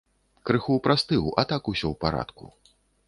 Крыху прастыў, а так усё ў парадку.